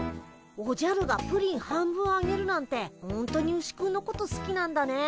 おじゃるがプリン半分あげるなんてほんとにウシくんのことすきなんだね。